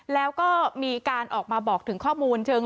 แล้วก็มีการออกมาบอกถึงข้อมูลเชิง